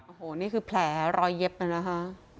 โอ้โหนี่คือแผลรอยเย็บน่ะนะคะ